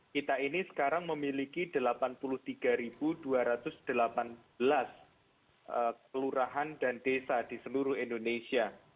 kita ini sekarang memiliki delapan puluh tiga dua ratus delapan belas kelurahan dan desa di seluruh indonesia